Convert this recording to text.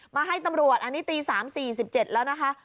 มาให้ตำรวจอันนี้ตี๓๔๗แล้วนะคะ